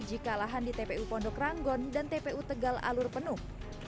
jika lahan di tpu pondok ranggon dan tpu tegal alur penuh